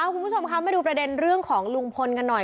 คุณผู้ชมคะมาดูประเด็นเรื่องของลุงพลกันหน่อย